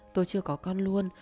tôi chưa có con luôn